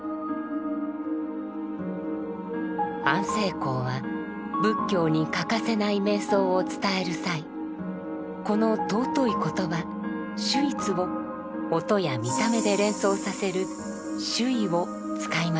安世高は仏教に欠かせない瞑想を伝える際この尊い言葉「守一」を音や見た目で連想させる「守意」を使いました。